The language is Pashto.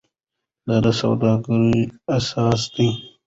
دا د سوداګرۍ اساس دی.